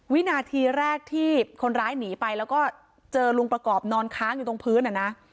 วินาทีแรกที่คนร้ายหนีไปแล้วก็เจอลุงประกอบนอนค้างอยู่ตรงพื้นอ่ะนะ